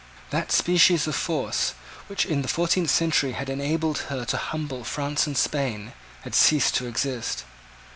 That species of force, which, in the fourteenth century had enabled her to humble France and Spain, had ceased to exist.